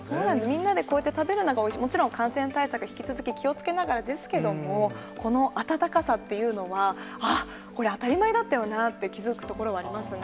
みんなで食べるのがおいしい、もちろん、感染対策、引き続き気をつけながらですけども、この温かさっていうのは、あっ、これ当たり前だったよなって、気付くところはありますよね。